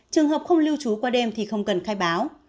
trường hợp không lưu trú qua đêm thì không cần khai báo